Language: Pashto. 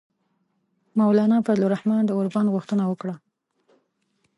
مولانا فضل الرحمان د اوربند غوښتنه وکړه.